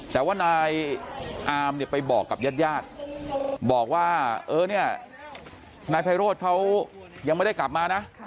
แต่ว่านายอามไปบอกกับญาติยาดบอกว่านายไพโรธเขายังไม่ได้กลับมานะ